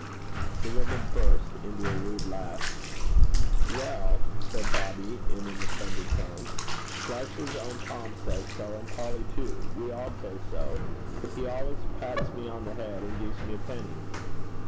The woman burst into a rude laugh. 'Well,' said Bobby in an offended tone, 'Slicer's own Tom says so, and Polly too. We all says so. He allus pats me on the head, and gives me a penny.'